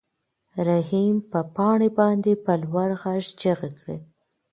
رحیم په پاڼه باندې په لوړ غږ چیغې کړې.